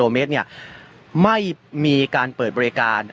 เมตรไม่มีการเปิดบริการ